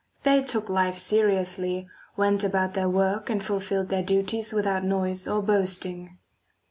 They took life seriously, went about their work and fulfilled their duties without noise or boasting.